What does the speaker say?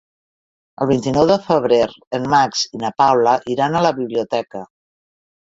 El vint-i-nou de febrer en Max i na Paula iran a la biblioteca.